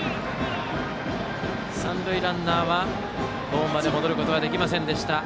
三塁ランナーはホームまで戻ることはできませんでした。